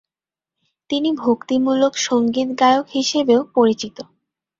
তিনি ভক্তিমূলক সংগীত গায়ক হিসাবেও পরিচিত।